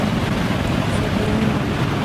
Se aparean en mayo.